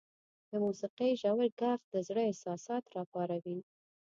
• د موسیقۍ ژور ږغ د زړه احساسات راپاروي.